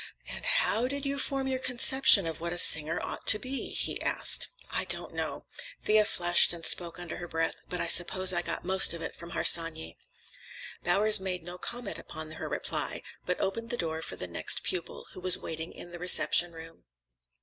"And how did you form your conception of what a singer ought to be?" he asked. "I don't know." Thea flushed and spoke under her breath; "but I suppose I got most of it from Harsanyi." Bowers made no comment upon this reply, but opened the door for the next pupil, who was waiting in the reception room.